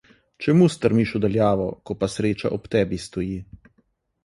Čemu strmiš v daljavo, ko pa sreča ob tebi stoji.